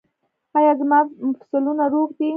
ایا زما مفصلونه روغ دي؟